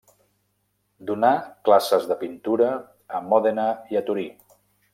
Donà classes de pintura a Mòdena i a Torí.